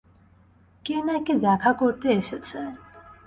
কে নাকি দেখা করতে এসেছে।